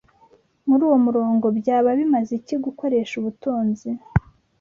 muri uwo murongo, byaba bimaze iki gukoresha ubutunzi